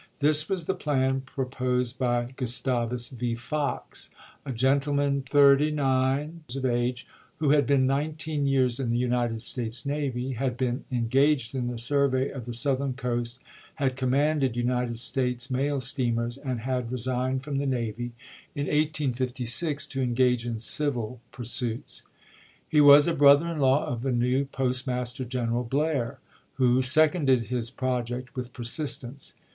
This was the plan proposed by Gustavus V. Fox, a gentleman thirty nine years of age, who had been nineteen years in the United States Navy, had been en gaged in the survey of the Southern coast, had commanded United States mail steamers, and had resigned from the navy in 1856 to engage in civil pursuits. He was a brother in law of the new Postmaster General Blair, who seconded his pro ject with persistence.